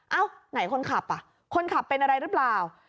เอ้าไหนคนขับอะคนขับเป็นอะไรรึเปล่า